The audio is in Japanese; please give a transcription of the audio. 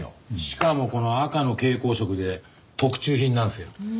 しかもこの赤の蛍光色で特注品なんですよ。